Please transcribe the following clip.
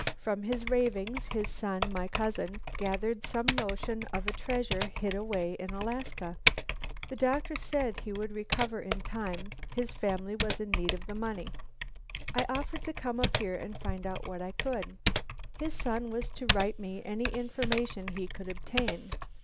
From his ravings his son, my cousin, gathered some notion of a treasure hid away in Alaska. The doctor said he would recover in time. His family was in need of money. I offered to come up here and find out what I could. His son was to write me any information he could obtain.